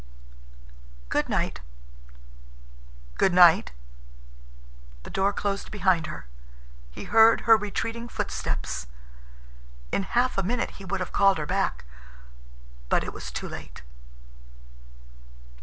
"Good night." "Good night." The door closed behind her. He heard her retreating footsteps. In half a minute he would have called her back. But it was too late.